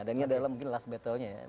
dan ini adalah mungkin last battlenya ya